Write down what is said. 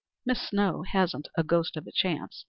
Miss Snow hasn't the ghost of a chance.